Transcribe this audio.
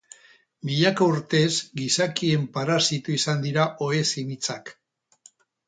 Milaka urtez gizakien parasito izan dira ohe-zimitzak.